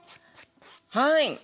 はい。